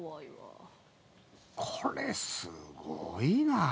これ、すごいなあ。